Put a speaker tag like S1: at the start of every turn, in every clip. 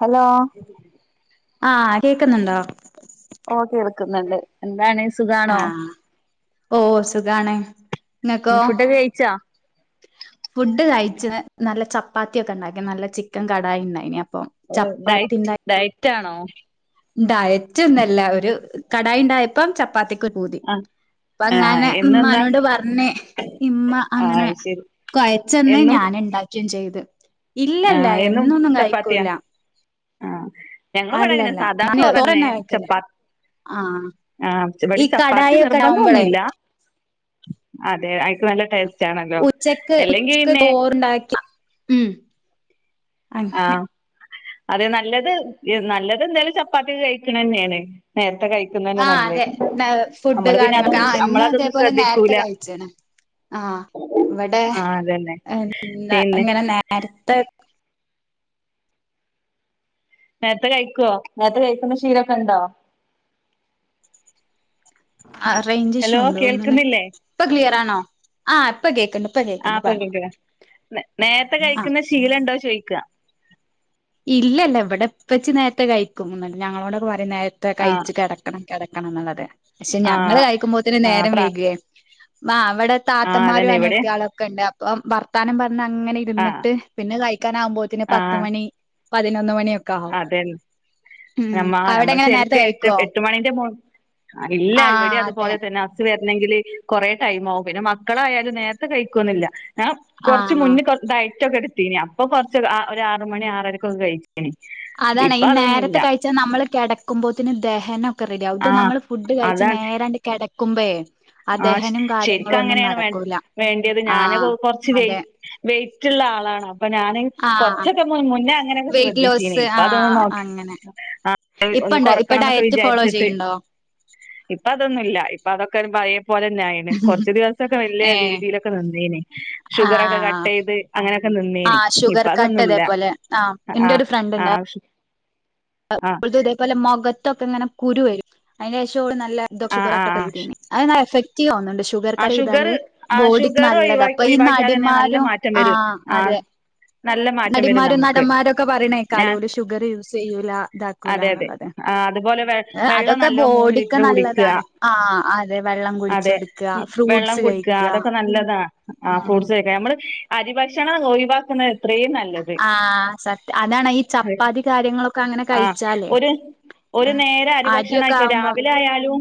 S1: Hello
S2: ആഹ കേക്കുന്നുണ്ടോ
S1: ഓഹ് കേൾക്കുന്നുണ്ട് എന്താണ്
S2: ആ
S1: സുഖാണോ
S2: ഓ സുഗാണ്
S1: ന്ത്‌ ഫുഡൊക്കെ കയിച്ചോ
S2: ഫുഡ് കയിച്ച്ന് നല്ല ചപ്പാത്തി ഒക്കെ ഉണ്ടാക്കി നല്ല ചിക്കൻ കടായി ഇണ്ടായിന്
S1: ഓ ഡയറ്റ് ഡയറ്റ്ആണോ
S2: ഡയറ്റ് ഒന്നല്ല ഒരു കടായി ഇണ്ടായപ്പം ചപ്പാത്തിക്കൊരു പൂതി
S1: ആ ആ
S2: അപ്പങ്ങനെ
S1: എന്നെന്താ
S2: മ്മാനോട് പറഞ്ഞ് ഇമ്മ
S1: ആ
S2: അങ്ങനെ
S1: ശരി
S2: കൊഴച്ചെന്ന്
S1: എന്നും
S2: ഞൻണ്ടാക്കിയും ചെയ്ത്
S1: ആ
S2: ഇല്ലല്ല എന്നൊന്നും കഴിക്കൂല
S1: ആഹ ഞങ്ങളിവ്ടെ ങ്ങനെ
S2: അല്ലല്ല
S1: സാദാ
S2: ഞാൻ
S1: ചോറന്നെ
S2: കഴിക്കല്
S1: ചപ്പാ
S2: ആഹ്
S1: ആഹ് ഇവടിം
S2: ഈ
S1: ചപ്പാത്തി
S2: കടായി ഒക്കെ
S1: നിർബന്ധം
S2: ആവുമ്പോളേ
S1: ഒന്നുമല്ല അതെ അയിക്ക് നല്ല ടേസ്റ്റ് ആണല്ലോ
S2: ഉച്ചക്ക്
S1: അല്ലെങ്കി
S2: ഉച്ചക്ക്
S1: പിന്നെ
S2: ചോറുണ്ടാക്കി ഉം അങ്ങനെ
S1: അതെ നല്ലത് നല്ലത് ന്തായാലും ചപ്പാത്തി കഴിക്കണെന്നെണ്
S2: ആ അതെ ഫുഡ്
S1: നമ്മള് പിന്നെ
S2: കാര്യങ്ങളൊക്കെ ആ
S1: അതൊന്നും
S2: ഇന്ന്
S1: നമ്മളതൊന്നും
S2: അതേപോലെ നേരത്തെ
S1: ശ്രദ്ധിക്കൂല
S2: കയ്ച്ചീണ് ആ ഇവിടെ
S1: ആ അതന്നെ പിന്നെ
S2: ങ്ങനെ നേരത്തെ
S1: നേര്ത്തെ കയ്ക്കോ നേര്ത്തെ കയ്ക്കുന്ന ശീലൊക്കെ ണ്ടോ
S2: ആ റേഞ്ച് ഇഷ്യു ഉണ്ടോന്ന്ണ്
S1: കേൾക്കുന്നില്ലേ
S2: ഇപ്പൊ ക്ലിയറാണോ ആ ഇപ്പൊ കേക്ക്ണ്ട് ഇപ്പ
S1: ആ
S2: കേക്ക്ണ്ട്
S1: ഇപ്പൊ
S2: പറഞ്ഞോ
S1: കേൾക്ക നേരത്തെ
S2: ആഹ്
S1: കയ്ക്കുന്ന ശീലണ്ടോ ചോയ്ക്ക
S2: ഇല്ലല്ല ഇവിടെ ഇപ്പച്ചി നേരത്തെ കയ്ക്കും ഞങ്ങളോടൊക്കെ പറിം നേരത്തെ
S1: ആ
S2: കയ്ച്ചു കെടക്കണം കിടക്കണം എന്നുള്ളത് പക്ഷെ
S1: ആ
S2: ഞങ്ങള് കഴിക്കുമ്പോത്തന്
S1: ആ
S2: നേരം
S1: പ്ര
S2: വൈകിയേ ആ അവിടെ
S1: ആ
S2: താത്തമാരും
S1: അതന്നെ ഇവിടെ
S2: അനത്തി ആളും ഒക്കെ ഉണ്ട് അപ്പൊ വർത്താനം പ അങ്ങനെ
S1: ആ
S2: ഇരുന്നിട്ട് പിന്നെ കഴിക്കാ നാകുമ്പോത്തിന് പത്ത് മണി പതിനൊന്ന് മണി.
S1: അതെ നമ്മ
S2: അവിടെ
S1: നമ്മൾ
S2: എങ്ങനെ
S1: ശെരിക്കു
S2: നേരത്തെ
S1: എട്ട്
S2: കഴിക്കുവോ
S1: എട്ട് മണിന്റെ മു ഇല്ല ഇവിടെ
S2: ആഹ് അതെ
S1: അതുപോലെ തന്നെ ഹസ്സ് [unintelligible] അങ്കില് കൊറേ ടൈംമാകും പിന്നെ മക്കളായാലും നേരത്തെ കഴിക്കൊന്നില്ല കുറച്ച്
S2: ആഹ്
S1: മുന്നേ ഡയറ്റൊക്കെ എടുത്തീനി അപ്പൊ കൊറച്ച് ഒര് ആറ് മണി ആറരക്കൊക്കെ കഴിച്ചു.
S2: അതാണ് ഈ
S1: ഇപ്പൊ
S2: നേരത്തെ
S1: അതൊന്നുമില്ല
S2: കഴിച്ചാ നമ്മള് കിടക്കുമ്പോത്തിന് ദഹനം റെഡി ആവും ഇത്
S1: ആ
S2: നമ്മള് ഫുഡ് കഴിച്ചു
S1: അതാണ്
S2: നേരാണ്ട് കിടക്കുമ്പേ
S1: ആ ശെരിക്ക് അങ്ങനെയാണ് വേ വേണ്ടിയത് ഞാന് കൊ
S2: ആഹ്
S1: കൊറച്ച് വെയ്
S2: അതെ
S1: വെയ് മറ്റുള്ള ആളാണോ അപ്പൊ ഞാന്
S2: ആഹ്
S1: കൊറച്ചൊക്കെ മുന്നേ അങ്ങനെയൊക്കെ
S2: വെയിറ്റ്
S1: ശ്രദ്ധിച്ചീന
S2: ലോസ്
S1: ഇപ്പൊ അതൊന്നന്ന്
S2: ആഹ്
S1: നോക്ക
S2: അങ്ങനെ
S1: ഒന്ന്
S2: ഇപ്പണ്ടോ ഇപ്പൊ
S1: കൊറക്കണം എന്നൊക്കെ
S2: ഡയറ്റ് ഫോളോ
S1: വിചാരിച്ചിട്ട്
S2: ചെയ്യ്ണ്ടോ
S1: ഇപ്പൊ അതൊന്നുല്ല ഇപ്പ അതൊ പയേ പോലെ തന്നെയിണ് കൊറച്ച് ദിവസൊക്കെ വലിയ
S2: ഏഹ്
S1: രീതിയിലൊക്കെ നിന്നിനി. ഷുഗർ ഒക്കെ കട്ട്
S2: ആഹ്
S1: ചെയ്ത് അങ്ങനെ ക്കെ നിന്നീനി
S2: ആഹ് ഷുഗർ
S1: ഇപ്പ
S2: കട്ട്
S1: അതൊന്നുംല്ല
S2: ഇതേപോലെ ആഹ്
S1: ആ ആ
S2: തും ഇതേപോലെ മുഖത്തൊക്കെ ഇങ്ങനെ കുരു വരും അതിന്റേഷം ചോയി നല്ല തൊ
S1: ആഹ്
S2: ഷുഗറായിട്ടൊക്കെ
S1: ആഹ്
S2: അത് ന്നാഎഫക്റ്റീവുന്നുണ്ട്. ഷുഗർ
S1: ആ
S2: കട്ട് ചെയ്താല്
S1: ആ
S2: ബോഡിക്ക്
S1: ഷുഗർ
S2: നല്ലതാ
S1: ഒഴിവാ
S2: അപ്പൊ ഈ
S1: ഒഴിവാക്കിയാൽ തന്നെ നല്ല
S2: നടിമാരും
S1: മാറ്റം
S2: ആ
S1: വരും ആ
S2: അതെ.
S1: നല്ല മാറ്റം വരും
S2: നടിമാരും
S1: നമുക്ക്
S2: നടന്മാരും ഒക്കെ ഓര്
S1: ഞാൻ
S2: പറയണേക്കാലോ ഷുഗർ യൂസ് ചെയ്യൂ ല്ല
S1: അതെ അതെ
S2: ഇതാക്കുലന്നുള്ളത്.
S1: ആ അതുപോലെ വെ വെള്ളം
S2: അതൊക്കെ
S1: നല്ലോ മൂന്ന്
S2: ബോടിക്ക്
S1: ലിറ്റർ കുടിക്കുക
S2: നല്ലതാണ്. ആ അ അതെ വെള്ളം
S1: അതെ
S2: കുടിച്ചോടുക്ക
S1: ഉം വെള്ളം
S2: ഫ്രൂട്ട്സ്
S1: കുടിക്കുക
S2: കഴിക്ക.
S1: അതൊക്കെ നല്ലതാ ആ ഫ്രൂട്ട്സ് ഒക്കെ നമ്മള് അരി ഭക്ഷണ ഒഴിവാക്കണത്
S2: ആ സത്യ അതാണ് ഈ ചപ്പാത്തി കാര്യങ്ങളൊക്കെ അങ്ങനെ
S1: ആ
S2: കഴിച്ചാലേ
S1: ഒരു ഒരു നേരം അരിഭക്ഷണം
S2: അരിയൊക്കെ
S1: ആക്കോല്
S2: ആവുമ്പം
S1: രാവിലെ ആയാലും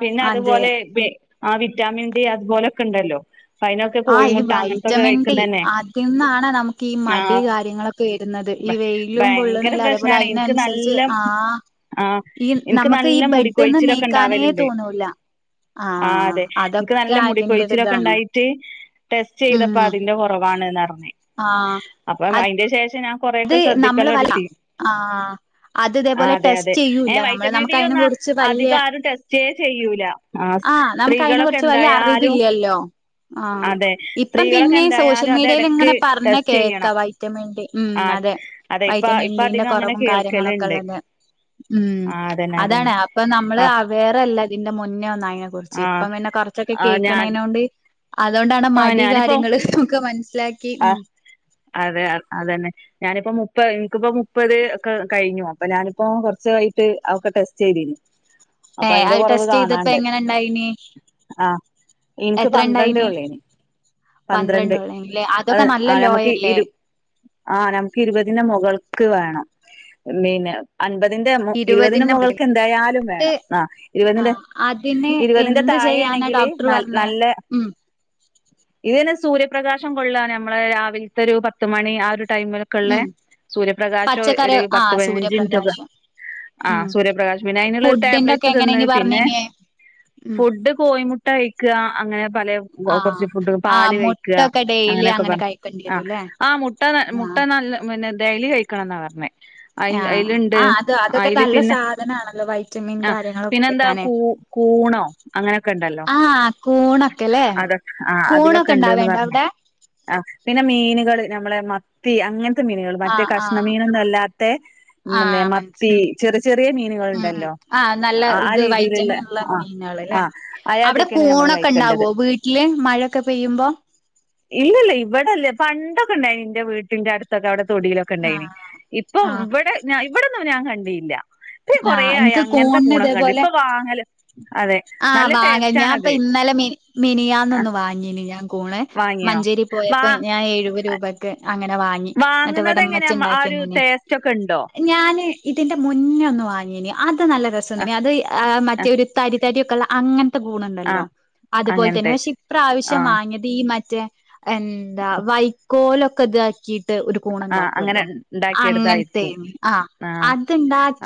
S1: പിന്നെ
S2: അതെ
S1: അതുപോലെ വെ ആ വിറ്റാമിൻ ഡി അതുപോലെക്കെണ്ടല്ലോ.
S2: ആ ഈ വൈറ്റമിൻ ഡി അതിന്നാണ് നമുക്ക് ഈ
S1: ആ
S2: മടി കാര്യങ്ങളൊക്കെ വരുന്നത്. ഈ വെയിലും കൊള്ളണി
S1: ഭയങ്കര
S2: ല്ലഅതേപോലെ
S1: പ്രശ്നാണ് എനിക്ക്
S2: അയിനനുസരിച്ച്
S1: നല്ല
S2: ആ
S1: ആ
S2: ഈ
S1: എനിക്ക്
S2: നമുക്ക് ഈ
S1: നല്ല
S2: ബെഡ്ന്ന്
S1: മുടിക്കൊഴിച്ചിലൊക്കെ
S2: നീക്കാനേ തോന്നൂല ആ
S1: ആ അതെ എനിക്ക് നല്ല മുടി കൊഴിച്ചിലൊക്കെ ഉണ്ടായിട്ട് ടെസ്റ്റ് ചെയ്തപ്പോ
S2: ഉം
S1: അതിന്റെ കുറവാണ്ന്ന്റഞ്ഞ്
S2: ആഹ്
S1: അപ്പം അയിന്റെ ശേഷം
S2: അത്
S1: കൊറെയൊക്കെ
S2: നമ്മള് വല്ല
S1: ശ്രദ്ധിക്കലോടുത്തി.
S2: ആഹ് അത് ഇതേപോലെ
S1: അതെ അതെ
S2: ടെസ്റ്റ്
S1: ഏ
S2: ചെയ്യൂല്ല നമ്മള്
S1: വൈറ്റമിൻ ഡി
S2: നമുക്ക് അതിനെ
S1: ഒന്നും
S2: കുറിച്ച് വല്യ
S1: അധികം ആരും ടെസ്റ്റ് ചെയ്യൂല
S2: ആ നമുക്ക് അതിനെ
S1: സ്ത്രീകളൊക്കെ
S2: കുറിച്ച് വല്യ
S1: എന്തായാലും
S2: അറിവില്ല്യല്ലോ. ആ
S1: അതെ
S2: ഇപ്പം
S1: സ്ത്രീകളൊക്കെ
S2: പിന്നെ സോഷ്യൽ
S1: എന്തായാലും അത്
S2: മീഡിയയിൽ
S1: എടക്ക്
S2: ഇങ്ങനെ പറഞ്ഞ
S1: ടെസ്റ്റ്
S2: കേക്കാ
S1: ചെയ്യണം
S2: വൈറ്റമിൻ ഡി മ്
S1: ആഹ്
S2: അതെ
S1: അതെ ഇപ്പ
S2: വൈറ്റമിൻ
S1: ഇപ്പ
S2: ഡിന്റെ
S1: അധികം അങ്ങനെ
S2: കുറവും കാര്യങ്ങളൊക്കെ
S1: കേൾക്കലുണ്ട്
S2: ഉള്ളത് ഉം
S1: ആഹ് അതന്നെ
S2: അതാണ്
S1: അതന്നെ
S2: അപ്പൊ നമ്മള് വേറെല്ല ഇതിന്റെ മുന്നേ ഒന്നയി
S1: ആഹ്
S2: ഇപ്പം പിന്നെ കൊറച്ചൊക്കെ
S1: ആഹ്
S2: കേൾക്കണേനൊണ്ട് അതൊണ്ടാണ് മടി
S1: ഞാനിപ്പോ
S2: കാര്യങ്ങള് നമുക്ക് മന
S1: ആ അതെ അതന്നെ. ഞാനിപ്പോ മുപ്പത് ഇൻക്കിപ്പോ മുപ്പത് ഒക്കെ കഴിഞ്ഞു അപ്പൊ ഞാനിപ്പോ കുറച്ചായിട്ട് അതൊക്കെടെസ്റ്റ് ചെയ്തിനി അപ്പൊ
S2: ഏഹ്
S1: അയിന്റെ
S2: അത്
S1: കൊറവ്
S2: ടെസ്റ്റ് ചെയ്തപ്പോ
S1: കാണാണ്ട്.
S2: എങ്ങനെ ഉണ്ടായിനി
S1: ആ എനിക്ക് പന്ത്രണ്ടേ ഉള്ളേനി
S2: പന്ത്രണ്ടോ ല്ലേ അതോ
S1: ഞമ്മക്ക് ഇരു ആ ഞമ്മക്ക് ഇരുപത്തിൻ്റെ മുക ക്ക് വേണം മീന് അൻപതിന്റെ ഇരുപതിന്റെ മുകൾക്ക് എന്തായാലും വേണം ആ
S2: ആ
S1: ഇരുപ
S2: അതിന്
S1: ഇരുപതിന്റെ താ
S2: എന്ത്
S1: താഴെ
S2: ചെയ്യാനാ
S1: ണെങ്കിൽ
S2: ഡോക്ടർ പറഞ്ഞേ
S1: നല്ല
S2: ഉം
S1: ഇ സൂര്യപ്രകാശം കൊള്ളാ നമ്മളെ രാവിലത്തെ ഒരു പത്ത് മണി ആ ഒരു ടൈമിലൊക്കെ ഉള്ള
S2: ഉം
S1: സൂര്യപ്രകാശം
S2: പച്ചക്കറി
S1: ഒരു
S2: ആ
S1: പത്ത് പതിനഞ്ച് മിനിറ്റൊക്കെ
S2: സൂര്യപ്രകാശം ഉം
S1: ആസൂര്യപ്രകാശ് പിന്നെ അതിനുള്ളരു
S2: ഫുഡിന്റെ ഒക്കെ
S1: ടാബ്ലറ്റ്
S2: എങ്ങനെ
S1: തിന്ന
S2: ഇനി
S1: പിന്നെ
S2: പറഞ്ഞിനേ ഉം
S1: ഫുഡ് കോഴിമുട്ട കഴിക്കുക അങ്ങനെ പല
S2: ആ
S1: കുറച്ച് ഫുഡ്
S2: ആ
S1: പാല് കഴിക്ക
S2: മുട്ടൊക്കെ ഡെയിലി
S1: അങ്ങനെയൊക്കെ
S2: അങ്ങനെ
S1: പറ
S2: കഴിക്കേണ്ടി വരുംല്ലേ
S1: ആആ മുട്ട ന
S2: ആ
S1: മുട്ട നല്ല പിന്നെ ഡെയലി കഴിക്കണന്നാ പറഞ്ഞെ അ
S2: ആ
S1: അയിലുണ്ട്
S2: ആ അത് അതൊക്കെ
S1: അതിൽ
S2: നല്ല
S1: പിന്നെ
S2: സാധനാണല്ലോ വൈറ്റമിൻ
S1: ആ
S2: കാര്യങ്ങളൊക്കെ
S1: പിന്നെ എന്താ
S2: കിട്ടാന്
S1: കൂ കൂണോ അങ്ങനെയൊക്കെ ഉണ്ടല്ലോ
S2: ആ കൂണൊക്കെല്ലേ
S1: അതൊ ആ അതിലൊക്കെ
S2: കൂണൊക്കെ
S1: ഉണ്ട്ന്ന്
S2: ഇണ്ടാവേണ്ടോ
S1: പറഞ്ഞെ
S2: അവിടെ
S1: ആ മീനുകൾ നമ്മളെ മത്തി അങ്ങനത്തെ മീനുകൾ
S2: ആ
S1: മറ്റേ
S2: ആ
S1: കഷ്ണ മീനൊന്ന അല്ലാത്ത
S2: ആ
S1: പിന്നെ മത്തി
S2: മനസ്സിലായി
S1: ചെറിയ ചെറിയ
S2: ഉം ഉം
S1: മീനുകൾുണ്ടല്ലോ
S2: ആ
S1: ആ രീതിയിലുള്ള ആ
S2: ല്ലെ
S1: ആ
S2: അവിടെ
S1: അയാദ്യൊക്കെയാണ് നമ്മള്
S2: കൂണൊക്കെ
S1: കഴിക്കേണ്ടത്
S2: ഉണ്ടാവോ വീട്ടില് മഴൊക്കെ പെയ്യുമ്പോ
S1: ഇല്ലല്ല ഇവിടെല്ല പണ്ടൊക്കെ ഉണ്ടായിനി എന്റെ വീട്ടിന്റെ അടുത്തൊക്കെ അവിടെ തൊടിയിലൊക്കെ ഉണ്ടായിനി
S2: ആഹ്
S1: ഇപ്പൊ
S2: ആഹ്
S1: ഇവിടെ ഇവിടെ ന്ന ഞാൻ കണ്ടിയില്ല ഇ
S2: ആഹ്
S1: കൊറോയി
S2: എനിക്ക്
S1: അങ്ങനത്തെ കൂണൊക്കെണ്ട് ഇപ്പൊ വാങ്ങല് അതെ നല്ല
S2: ആവാങ്ങ
S1: ടേസ്റ്റ്
S2: ഞാൻ അപ്പൊ
S1: ആണത്
S2: ഇന്നലെ മിന മിനിയാന്നൊന്ന് വാങ്ങീന് ഞാൻ കൂണ്
S1: വാങ്ങിയോ
S2: മഞ്ചേരി
S1: വാ
S2: പോയപ്പോ ഞാൻ എഴുപത് രൂപയ്ക്ക് അങ്ങനെ വാങ്ങി എന്നട്ട്
S1: വാങ്ങുന്നത് എങ്ങനെയാ ആ ഒരു
S2: വിടമ്മചിഉണ്ടാക്കിയന്നനെ
S1: ടേസ്റ്റ് ഒക്കെ ഉണ്ടോ
S2: ഞാന് ഇതിന്റെ മുന്ന ഒന്ന് വാങ്ങന് അത് നല്ല
S1: ആ
S2: രസൊന്ന അത്
S1: ആ
S2: മറ്റേ ഒരു തരി തരി ഒക്കെള്ള അങ്ങനെ
S1: ആ
S2: ഗൂണുണ്ടല്ലോ അതുപോലെ തന്നെ
S1: അങ്ങനത്തെ
S2: പക്ഷെ ഇപ്ര
S1: ആ
S2: ആാവശ്യം വാങ്ങിയത് ഈ മറ്റേ എന്താ വൈക്കോലൊക്കെ ഇതാക്കിട്ട് ഒരു കൂൺ
S1: ആ
S2: ഉണ്ടാക്കുമല്ലോ
S1: അങ്ങനെ ഉണ്ടാക്കിയെടുത്തായിരിക്കും
S2: അങ്ങനത്തെയ ആ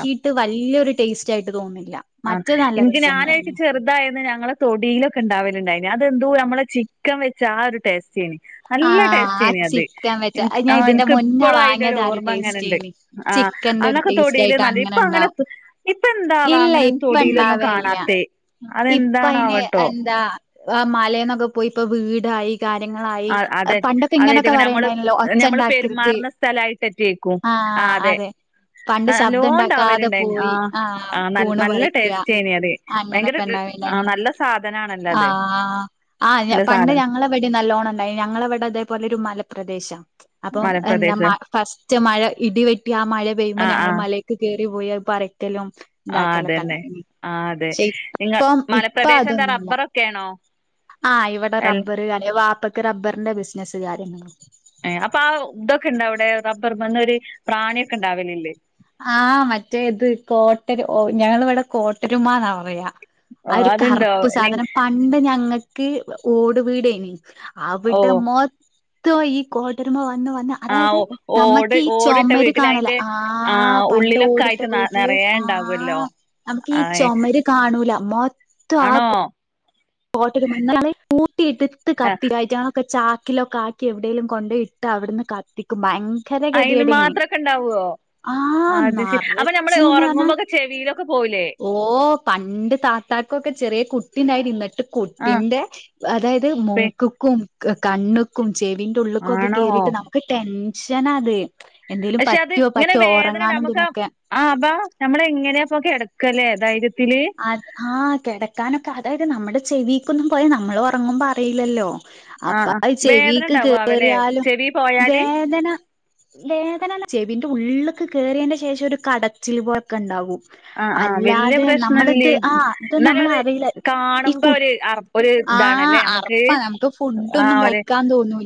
S1: ആ
S2: വലിയൊരു ടേസ്റ്റ ആയിട്ട് തോന്നുന്നില്ല മറ്റ നല്ല
S1: ഞാനായിനിക്ക്
S2: രസംണ്ടായിനി
S1: ചെറുതായന്ന് ഞങ്ങളെ തൊടിയിലൊക്കെ ഉണ്ടാവും ണ്ടായി അതെന്തതു നമ്മളെ ചിക്കൻ വെച്ച് ആ ഒരു ടസ്റ്റ്
S2: ആ
S1: നല്ല
S2: ആ
S1: ടേസ്റ്റ്ന്അത്
S2: ചിക്കൻ വെച്ച
S1: എനിക്ക്
S2: അത്
S1: ആ
S2: ഞാൻ ഇതിന്റെ
S1: എനക്ക്
S2: മുന്നേ
S1: ഇപ്പളും അതിന്റെ ഒരു
S2: വാങ്ങിയത് ആ
S1: ഓർമ്മങ്ങനെണ്ട്
S2: ടേസ്റ്റേനി
S1: ആ
S2: ചിക്കന്റെ ഒരു
S1: അന്നൊക്കെ
S2: ടേസ്റ്റ്
S1: തൊടില്
S2: ആയിട്ട്
S1: നല്ല ഇപ്പൊ അങ്ങനെ
S2: ഉണ്ടാവും
S1: ഇപ്പ എന്താവാ
S2: ഇല്ല
S1: അങ്ങനൊന്നും
S2: ഇപ്പ
S1: തൊടിയിലൊന്നും
S2: ഇണ്ടാവേല്ല
S1: കാണാത്ത അതെന്താണ ആവട്ടോ
S2: ആ മലയിന്നൊക്കെ പോയി ഇപ്പോ വീടായി കാര്യങ്ങളയി
S1: ആഹ് അതെ
S2: പണ്ടൊക്കെ ഇങ്ങനൊക്കെ
S1: അതായിട്ട നമ്മള്
S2: പറയണ്ടുന്നല്ലോ
S1: ഞമ്മള്
S2: ഒച്ചണ്ടാക്കരുത് ആ
S1: ആ അതെ
S2: പണ്ട് ശബ്ദം ഉണ്ടാക്കാതെ
S1: നല്ലോണ്ടാവലുണ്ടായിന്
S2: പോയി
S1: ആഹ്
S2: ആ
S1: ആഹ്
S2: കൂണ്
S1: നല്ല
S2: പറിക്കാ
S1: ടേസ്റ്റേനി അത്
S2: അങ്ങനെ
S1: ഭയങ്കര ആഹ് നല്ല സാധനാണല്ലോ അത്
S2: ആ ആ
S1: നല്ല
S2: പണ്ട്
S1: സാധനം
S2: ഞങ്ങളെവട് നല്ലോണം ഞങ്ങള അവിടെ അതേപോലെ ഒരു മലപ്രദേശം അപ്പം എന്താ
S1: മലപ്രദേശം
S2: ഫസ്റ്റ് മഴ ഇടിവെട്ടി ആ മഴ പെയ്യുമ്പോ
S1: ആഹ്
S2: ഞങ്ങൾ
S1: ആഹ്
S2: മലക്ക് കേറി പോയി അത് പറിക്കലും
S1: ആഹ്
S2: ഇന്താക്കല്ലൊക്കെ ഉണ്ട
S1: അതന്നെ ആഹ് അതെ നിങ്ങ
S2: ഇപ്പം ഇപ്പൊ
S1: മലപ്രദേശം എന്താ
S2: അതൊന്നുമല്ല
S1: റബ്ബറൊക്കെയാണോ
S2: ആ ഇവിടെ
S1: എൽ
S2: റബ്ബർ ക വാപ്പക്ക് റബ്ബറിന്റെ ബിസിനസ്സ് കാര്യങ്ങള
S1: അപ്പൊ ആ ഇതൊക്കെ ഇണ്ടാവിടെ റബ്ബർ വന്നൊരു പ്രാണിയൊക്കെ ഇണ്ടാവലല്ലേ
S2: ആ മറ്റേ ഇത് കോട്ടര ഓ ഞങ്ങ ഇവിടെ കോട്ടരുമ എന്നാ പറയാ ആ
S1: ഓഹ്
S2: ഒരു
S1: അതുണ്ടോ
S2: കറുപ്പ്
S1: നി
S2: സാധനം പണ്ട് ഞങ്ങൾക്ക് ഓട് വീടന് അവിട്ട
S1: ഓഹ്
S2: മൊത്തം ഈ കൂട്ടരുമാ വന്നു വന്നു അതായത്
S1: ആഹ്
S2: നമ്മക്ക്
S1: ഓട്
S2: ഈ
S1: ഓടിട്ട
S2: ചോമാരെ
S1: വീട്ടിൽ
S2: കാണുല
S1: അയിന്റെ
S2: ആ ആ
S1: ആഹ്
S2: പണ്ട്
S1: ഉള്ളിലൊക്കെ
S2: ഓടിട്ട്
S1: ആയിട്ട് ന
S2: വീട്ടിൽ
S1: നെറയെ
S2: ആ
S1: ഇണ്ടാവല്ലോ
S2: നമുക്ക് ഈ
S1: ആഹ്
S2: ചുമര് കാണൂല
S1: ആണോ
S2: കോട്ടരു മന്നയാണെ കൂട്ടിയിട്ടിട്ട്
S1: ആഹ്
S2: കത്തിരിവായിച്ചാ ക്കെ ചാക്കിലൊക്ക ആക്കി എവിടേലും കൊണ്ട് ഇട്ടവിടുന്ന് കത്തിക്കും ഭയങ്ക
S1: അയിന് മാത്രൊക്കെ ഇണ്ടാവുവോ?
S2: ആ നെറച്ച് നാന്നാ
S1: ഒറങ്ങുമ്പോക്കെ ചെവിയിലൊക്കെ പോവൂലേ
S2: ഓ പണ്ട് താത് താക്കൊക്കെ ചെറിയെ കുട്ട് കുട്ടീന്റായിത് ഇന്നിട്ട്
S1: ആഹ്
S2: കുട്ടീന്റെ അതായത്
S1: പി
S2: മൂക്ക്ക്കും കണ്ണുക്കും ചെവീന്റുള്ളുക്കൊക്കെ
S1: ആണോ
S2: കേറിട്ട് നമുക്ക് ടെൻഷനാ അത് എന്തേലും
S1: പക്ഷെ അത്
S2: പറ്റുവോ
S1: ഇങ്ങനെ
S2: പറ്റോ
S1: വേദനണ്ട്
S2: ഉറങ്ങാനും
S1: നമുക്ക്
S2: ഇതിനൊക്കെ
S1: ആ അബ നമ്മളെ ഇങ്ങനെ കെടക്കല്ലേ അതായത്
S2: അത് ആഹ കെടക്കാനൊക്കെ അതായത് നമ്മടെ ചെവിക്കൊന്നും പോയാ നമ്മള് ഒറങ്ങുമ്പോ അറിയില്ലല്ലോ
S1: ആ
S2: അപ്പാ
S1: ആ വേദന
S2: ചെവീക്ക്
S1: ഉണ്ടാവാവല്ലേ
S2: കേറിയാലും
S1: ചെവി പോയാല്
S2: വേദന വേദനന ചെവീന്റ ഉള്ളൊക്കെ കേറിയേന്റെ ശേഷൊരു കടച്ചിൽ പോയൊക്കെ ഇണ്ടാവും
S1: ആ ആ വല്യ പ്രശ് നല്ലേ
S2: ആഹ് ഇത്
S1: എന്നാലും അത്
S2: നമ്മളറിയില്ല ഈ
S1: കാണുമ്പോ
S2: കു
S1: ഒരു അറപ്പ് ഒരു ഇതാണല്ലേ അമ്മക്ക്
S2: ഫുഡ്‌‌ ഒന്നും കഴിക്കാൻ തോന്നു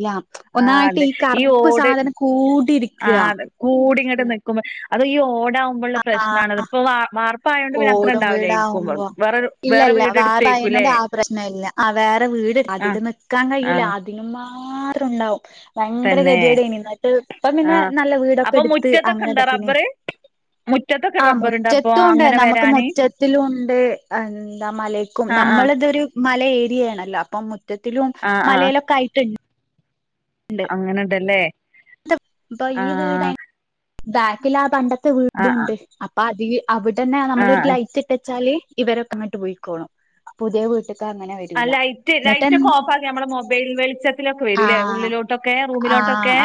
S1: ആ അതെ ഈ ഓട്
S2: സാധനം
S1: ആ
S2: കൂടിരിക്കാ
S1: അതെ കൂടിങ്ങ് ട്ട് നിക്കുമ്പോ അത് ഈ ഓ ണ്ടാവുമ്പൊള്ള പ്രശ്നാണത് ഇപ്പോവാ വർപ്പായോണ്ട് പിന്ന അത്ര
S2: ഓടും
S1: ഇണ്ടാവില്ലായിരിക്കുമ്പോ വേറൊരു വേറെ വീടെടുത്തേ
S2: അയിനൊരാ പ്രശ്നം ഇല്ല ആ വേറെ വീട്
S1: ആ
S2: അതില് നിക്കാൻ
S1: ആ
S2: കഴിയൂല്ല അതിനും മാത്രം ഉണ്ടാവും ഭയങ്കര
S1: തന്നെ
S2: ഗതികേടായിനി എന്നിട്ട് ഇപ്പം
S1: ആ
S2: പിന്നെ നല്ല വീടൊക്കെ എടുത്ത് അങ്ങനെ ഇതാക്കിനെ
S1: മുറ്റത്ത്
S2: ആഹ മുറ്റത്തുവുണ്ട് നമുക്ക് മുറ്റത്തിലും ഉണ്ട് എന്താ മലക്കും
S1: ആഹ് ആഹ്
S2: നമ്മളിതൊരു മല ഏരിയയാണല്ലോ അപ്പം മുറ്റത്തിലും
S1: ആഹ്
S2: മലേലൊക്കെ ആയിട്ട്
S1: അങ്ങനുണ്ടല്ലേ?
S2: ട്ട് ഇപ്പൊ ഈ വീടായി ബാക്കിലാ പണ്ടത്തെ
S1: ആഹ്
S2: വീടുണ്ട് അപ്പ അതി അവിടന്നെ
S1: ആഹ്
S2: നമ്മളൊരു
S1: ആഹ്
S2: ലൈറ്റ് ഇട്ടേച്ചാല് ഇവരൊക്കെ അങ്ങട്ട് പോയിക്കോളും പുതിയ വീ
S1: ആ ലൈറ്റ് ലൈറ്റൊക്കെ ഓഫ് ആക്കി നമ്മട മൊബൈൽ വെളിച്ചത്തിലൊക്കെ
S2: ആ
S1: വരൂല്ലേ ഉള്ളിലോട്ടൊക്കെ റൂമി
S2: ആഹ്
S1: ലോട്ടൊക്കെ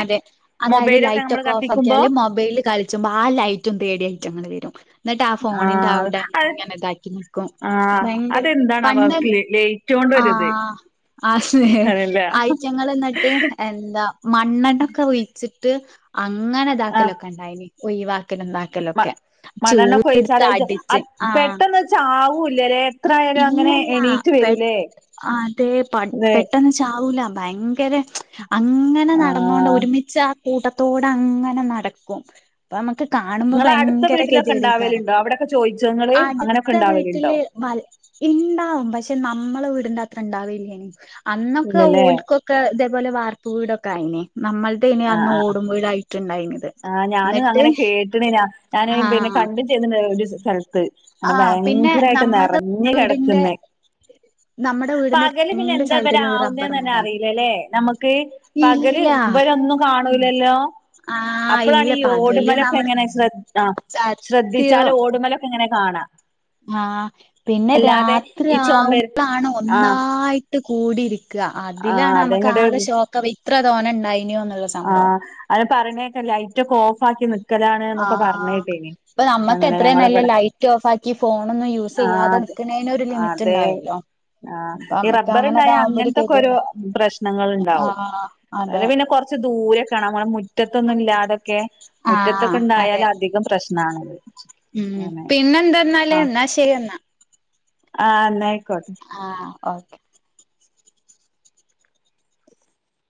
S1: മൊബൈലൊക്കെ നമ്മള് കത്തിക്കു
S2: ക്കാല് മൊബൈല് കളിച്ചുമ്പ ആ ലൈറ്റും തേടി അയിറ്റങ്ങള് വെരും എന്നിട്ട് ആ ഫോണിന്റ
S1: ആഹ്
S2: അവിടെ
S1: അത്
S2: ഇങ്ങനെ ഇതാക്കി
S1: ആഹ്
S2: ഭയങ്കര
S1: അതെന്താണാവോ
S2: പണ്ട്
S1: അവർക്ക് ലൈറ്റോണ്ടൊരിത്
S2: ആഹ അതേ
S1: അറിയില്ല
S2: ആയിറ്റങ്ങള് എന്നിട്ട് എന്താ മണ്ണണോക്കെ ഒഴിച്ച് ത് അങ്ങന
S1: ആഹ്
S2: ഇതാക്കലൊക്ക ഉണ്ടായ്ന് ഒഴിവാ ക്കലും
S1: മ
S2: ണ്ടാക്കലൊക്കെ
S1: മണ്ണെണ്ണൊക്കെ
S2: ചൂട്ടെടുത്ത്
S1: ഒഴിച്ചാല് അത്
S2: അടിച്ച്
S1: അത്
S2: ആ
S1: പെട്ടെന്ന് ചാവൂല്ലല്ലേ എത്ര ആയാലും അങ്ങനെ
S2: ഇല്ലല്ലാ
S1: എണീറ്റ്
S2: പെ
S1: വരൂലേ
S2: ആ അതേ പട്
S1: അതെ
S2: പെട്ടെന്ന് ചാവൂല ഭയങ്കരെ അങ്ങനെ നടന്നോണ്ട്
S1: ആഹ്
S2: ഒരുമിച്ച് ആ കൂട്ടത്തോട അങ്ങനെ നടക്കും അപ്പ നമക്ക് കാണുമ്പോ
S1: നിങ്ങളെ അടുത്ത
S2: ഭയങ്കര
S1: വീട്ടിലൊക്കെ
S2: ഗതിയേടെയ്ക്കാരം
S1: ഉണ്ടാവലുണ്ടോ അവിടൊക്കെ ചോദിച്ചോ നിങ്ങള് അങ്ങനെയൊക്കെ
S2: അടുത്ത
S1: ഉണ്ടാവലുണ്ടോ
S2: വീട്ടില് വൽ ഇണ്ടാവും പക്ഷെ നമ്മള വീടിന്റെ അത്ര ഇണ്ടാവില്ലേയ്ന്ന് അന്നൊക്കെ
S1: ഇല്ലല്ലേ
S2: ഓൽക്കൊക്കെ ഇതേപോലെ വാർപ്പ് വീടൊക്കെ ആയേനേ നമ്മൾടേയിന്
S1: ആ
S2: അന്ന്
S1: ആ
S2: ഓടുംവീടായിട്ടുണ്ടായിന്നിത്
S1: ആ ഞാനും
S2: എന്നിട്ട്
S1: അങ്ങനെ കേട്ടിണ് ഞാൻ ഞാന്
S2: ആ
S1: പിന്നെ കണ്ടും [unintelligible] ഒരു സ്ഥലത്ത് അനെ
S2: ആഹ് പിന്നെ
S1: ഭയങ്കരായിട്ട്
S2: നമ്മൾടെ
S1: നെറഞ്ഞ്
S2: വീടിന്റെ
S1: കെടക്ക്ന്നെ
S2: നമ്മുടെ വീടിന്റെ
S1: പകല് പിന്നെ
S2: രണ്ട്
S1: എന്താ
S2: സൈഡിലും ഈ റബ്ബർ
S1: ഇവരാവുന്നേന്നെന്നെ
S2: മരാ
S1: അറിയീല്ലല്ലേ നമുക്ക് പകല്
S2: ഇല്ല
S1: ഇവരൊന്നും കാണൂലല്ലോ
S2: ആഹ് ഇല്ല
S1: അപ്പളാണീ
S2: പകല്
S1: ഓടുമ്മലൊക്കെ
S2: നമ്മള്
S1: ഇങ്ങനെ ശ്രദ് ആ ശ്രദ്ധിച്ചാല്
S2: സത്യം
S1: ഓടുമ്മലൊക്കെ ഇങ്ങനെ കാണാ
S2: ആഹ് പിന്നെ രാത്രി
S1: ഈ ചുമര്
S2: ആവുമ്പളാണ്
S1: ആ
S2: ഒന്നായിട്ട് കൂടിയിരി ക്ക
S1: ആ
S2: അതിലാണ് അമ്മക്ക്
S1: അതങ്ങട്
S2: ആകെ ഷോക്കാവ ഇത്ര തോനെ ഉണ്ടായിന്യോന്ന്
S1: ആഹ് അത് പറിണേക്ക ലൈറ്റൊക്കെ ഓഫാക്കി നിക്കലാണ്ന്നൊക്കെ പറഞ്ഞേട്ടീന്ന്
S2: ഇപ്പ നമ്മക്ക് എത്രേം നല്ലെ ലൈറ്റും ഓഫാക്കി ഫോണൊന്നും
S1: ആഹ്
S2: യൂസെയ്യാതെ
S1: അതെ
S2: നിക്കണേനൊരു
S1: അതെ
S2: ലിമിറ്റ്ണ്ടാവല്ലോ
S1: ആഹ് ഈ റബ്ബറിണ്ടായ അങ്ങൻത്തൊക്കൊരു
S2: ഗതികേടാ
S1: പ്രശ്നങ്ങള്ണ്ടാവും
S2: ആഹ് അതെ
S1: അല്ലെപിന്നെ കൊറച്ച് ദൂ പൂരേക്കണാൻ പോണം മുറ്റത്തൊന്നും ഇല്ലാതൊക്കെ
S2: ആഹ്
S1: മുറ്റത്തൊക്കെ
S2: അതെ
S1: ഒണ്ടായാല് അധികം പ്രശ്നാണ്
S2: ഉം പിന്നെ എന്തെന്നാല് എന്നാ ശെരി എന്നാ
S1: ആ ന്നാ
S2: ആ ഓക്കെ